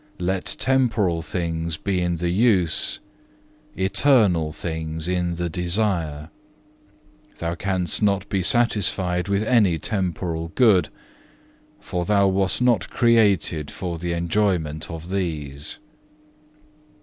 Let temporal things be in the use, eternal things in the desire. Thou canst not be satisfied with any temporal good, for thou wast not created for the enjoyment of these.